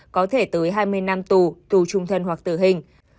có thể tới hai mươi năm tù tù trung thân hoặc tử hình